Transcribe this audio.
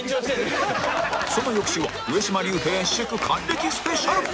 その翌週は上島竜兵祝還暦スペシャル！